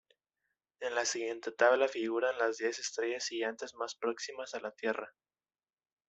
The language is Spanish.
En la siguiente tabla figuran las diez estrellas gigantes más próximas a la Tierra.